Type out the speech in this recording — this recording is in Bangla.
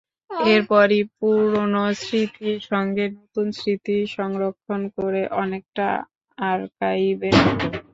এরপরই পুরোনো স্মৃতির সঙ্গে নতুন স্মৃতি সংরক্ষণ করে, অনেকটা আর্কাইভের মতো।